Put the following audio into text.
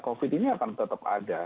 covid ini akan tetap ada